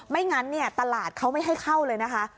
ไม่งั้นเนี่ยตลาดเขาไม่ให้เข้าเลยนะคะ